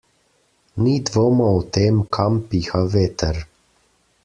Ni dvoma o tem, kam piha veter.